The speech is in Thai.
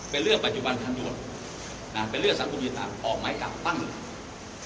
เป็นเรื่องปัจจุบันทางดวงเป็นเรื่องสรรคุมยุติศาสตร์ออกหมายจับตั้งเลยเห็นไหมครับ